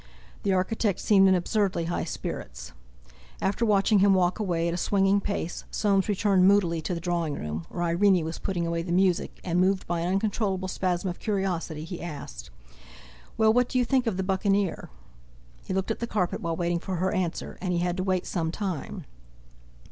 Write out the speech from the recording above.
The architect seemed in absurdly high spirits. After watching him walk away at a swinging pace, Soames returned moodily to the drawing room, where Irene was putting away the music, and, moved by an uncontrollable spasm of curiosity, he asked: "Well, what do you think of 'The Buccaneer'?" He looked at the carpet while waiting for her answer, and he had to wait some time.